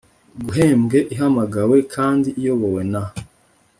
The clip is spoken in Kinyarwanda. guhembwe ihamagawe kandi iyobowe na